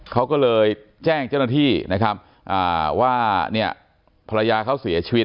เขาก็เลยแจ้งเจ้าหน้าที่ว่าภรรยาเขาเสียชีวิต